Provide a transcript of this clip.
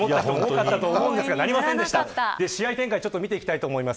試合展開を見ていきたいと思います。